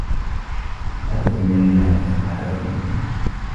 أتت ليلى و اصطحبتني.